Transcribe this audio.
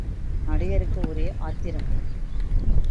நடிகருக்கு ஒரே ஆத்திரம்.